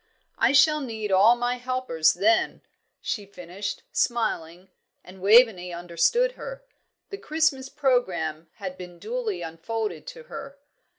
"I shall need all my helpers then," she finished, smiling; and Waveney understood her. The Christmas programme had been duly unfolded to her.